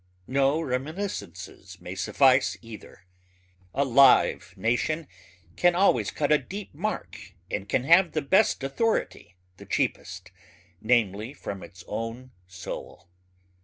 No reminiscences may suffice either. A live nation can always cut a deep mark and can have the best authority the cheapest ... namely from its own soul.